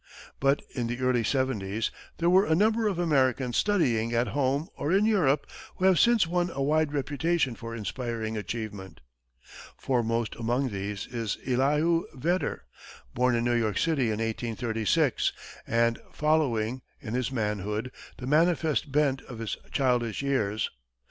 But in the early seventies, there were a number of Americans studying at home or in Europe who have since won a wide reputation for inspiring achievement. Foremost among these is Elihu Vedder, born in New York City in 1836, and following, in his manhood, the manifest bent of his childish years.